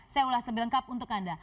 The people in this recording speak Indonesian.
saya ulas lebih lengkap untuk anda